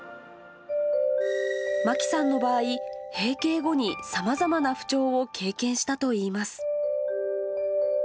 まきさんの場合、閉経後にさまざまな不調を経験したといいます。